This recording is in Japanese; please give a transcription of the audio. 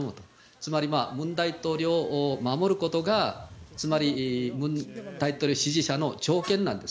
つまり文大統領を守ることが大統領支持者の条件なんです。